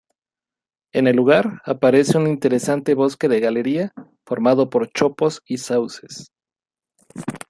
En el lugar aparece un interesante bosque de galería formado por chopos y sauces.